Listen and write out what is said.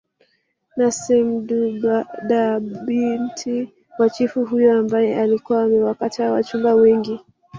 na semdudabinti wa chifu huyo ambaye alikuwa amewakataa wachumba wengi